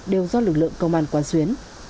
đều do lực lượng công an quản xuyến